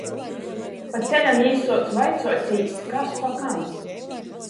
Pa ceļam jī suoc vaicuotīs, kas pa kam.